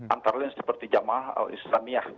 antara lain seperti jamal al islamiyah